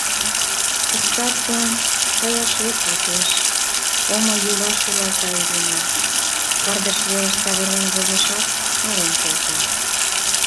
— Поктат гын... каяшет возеш... — омыюа шӱлалта Изина, пырдыж велыш савырнен возешат, мален колта.